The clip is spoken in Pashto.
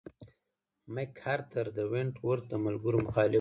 مک ارتر د ونټ ورت د ملګرو مخالف و.